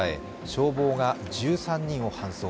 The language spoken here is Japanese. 消防が１３人を搬送。